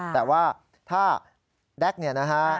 แต่ว่าถ้าแก๊กเนี่ยนะฮะ